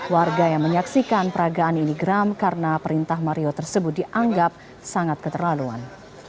warga yang menyaksikan peragaan ini geram karena perintah mario tersebut dianggap sangat keterlaluan